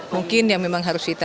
mungkin yang memang harus kita